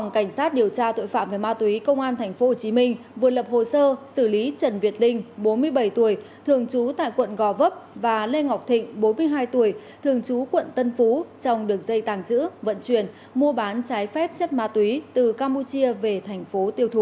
cảnh sát điều tra tội phạm về ma túy công an tp hcm vừa lập hồ sơ xử lý trần việt linh bốn mươi bảy tuổi thường trú tại quận gò vấp và lê ngọc thịnh bốn mươi hai tuổi thường trú quận tân phú trong đường dây tàng trữ vận chuyển mua bán trái phép chất ma túy từ campuchia về tp tiêu thụ